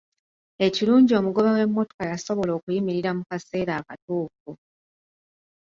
Ekirungi omugoba w'emmotoka yasobola okuyimirira mu kaseera akatuufu.